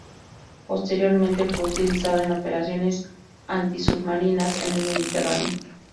Posteriormente, fue utilizado en operaciones antisubmarinas en el Mediterráneo.